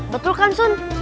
betul kan sun